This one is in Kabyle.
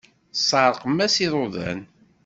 Seṛqem-as iḍudan.